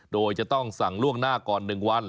โดยจะต้องสั่งล่วงหน้าก่อน๑วัน